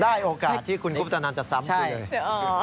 ได้โอกาสที่คุณกุ๊บตะนันจะซ้ำไปเลย